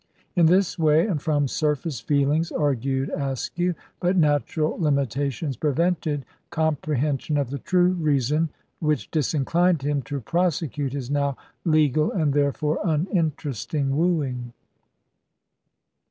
In this way, and from surface feelings, argued Askew; but natural limitations prevented comprehension of the true reason which disinclined him to prosecute his now legal and therefore uninteresting wooing.